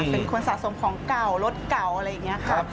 เป็นคนสะสมของเก่ารถเก่าอะไรอย่างนี้ค่ะ